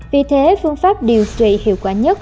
vì thế phương pháp điều trị hiệu quả nhất